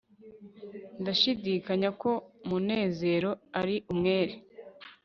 ndashidikanya ko munezero ari umwere